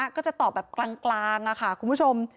ก็จะตอบแบบกลางค่ะคุณผู้ชม